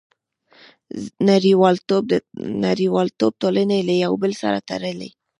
• نړیوالتوب ټولنې له یو بل سره تړلي.